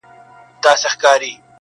مقرر سوه دواړه سم یوه شعبه کي،